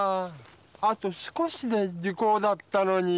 あと少しで時効だったのに。